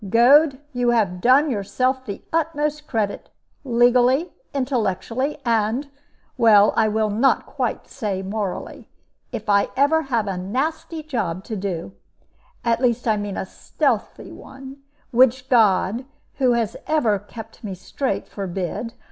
"Goad, you have done yourself the utmost credit, legally, intellectually, and well, I will not quite say morally. If I ever have a nasty job to do at least I mean a stealthy one which God, who has ever kept me straight, forbid!